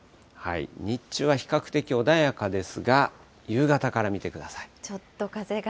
日中は比較的穏やかですが、夕方から見てください。